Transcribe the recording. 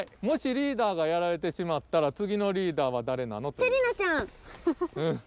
もしリーダーがやられてしまったら次のリーダーは誰なのという。